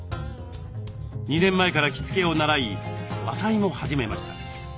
２年前から着付けを習い和裁も始めました。